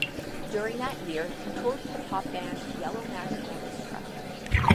During that year, he toured with the pop band Yellow Magic Orchestra.